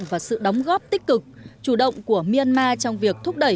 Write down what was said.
hợp tác chính trị đã có được sự đóng góp tích cực chủ động của myanmar trong việc thúc đẩy